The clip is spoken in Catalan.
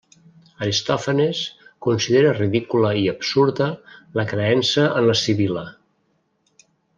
Aristòfanes considera ridícula i absurda la creença en la Sibil·la.